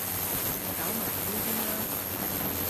搞埋呢邊啦